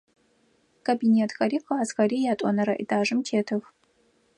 Кабинетхэри классхэри ятӏонэрэ этажым тетых.